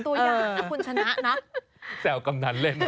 คุณควรกำดันเสิร์ฟเอาไว้เป็นตัวอย่าง